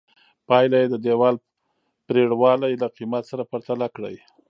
پایله یې د دیوال پرېړوالي له قېمت سره پرتله کړئ.